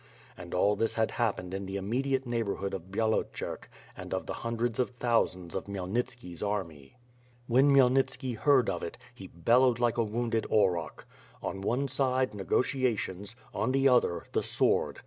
And all this had happened in the immediate neighborhood of ^^yalocerk and of the hundreds of thousands of Khmyelnitski's army. When Khmyelnitski heard of it, he bellowed like a wounded auroch. On one side, negotiations, on the other, the sword.